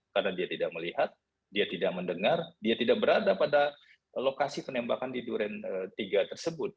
karena dia tidak melihat dia tidak mendengar dia tidak berada pada lokasi penembakan di durian tiga tersebut